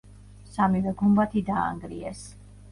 სამივე გუმბათი დაანგრიეს.